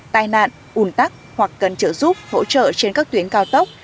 tai nạn un tắc hoặc cần trợ giúp hỗ trợ trên các tuyến cao tốc